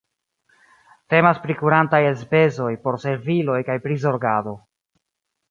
Temas pri kurantaj elspezoj por serviloj kaj prizorgado.